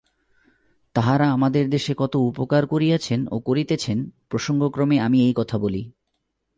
তাঁহারা আমাদের দেশে কত উপকার করিয়াছেন ও করিতেছেন, প্রসঙ্গক্রমে আমি এই কথা বলি।